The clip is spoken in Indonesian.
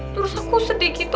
terus aku sedih gitu